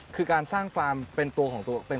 คุณต้องเป็นผู้งาน